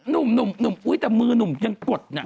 หนุ่มอุ๊ยแต่มือหนุ่มยังกดน่ะ